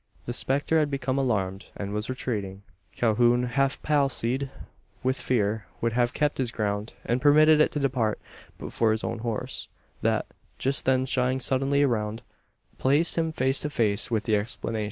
The spectre had become alarmed, and was retreating! Calhoun, half palsied with fear, would have kept his ground, and permitted it to depart, but for his own horse; that, just then shying suddenly round, placed him face to face with the explanation.